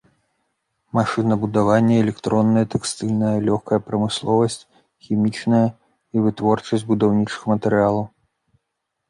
Машынабудаванне, электронная, тэкстыльная, лёгкая прамысловасць, хімічная і вытворчасць будаўнічых матэрыялаў.